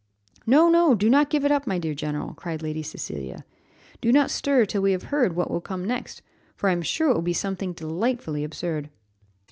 "No, no, do not give it up, my dear general," cried Lady Cecilia; "do not stir till we have heard what will come next, for I am sure it will be something delightfully absurd."